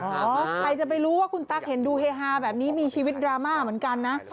ใครจะไปรู้ว่าคุณตั๊กเห็นดูเฮฮาแบบนี้มีชีวิตดราม่าเหมือนกันนะ